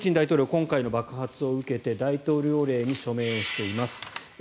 今回の爆発を受けて大統領令に署名をしています。